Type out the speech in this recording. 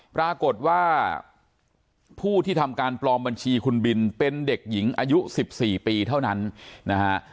ปรากฏว่าผู้ที่ทำการปลอมบัญชีคุณบินเป็นเด็กหญิงอายุ๑๔ปีเท่านั้นนะฮะ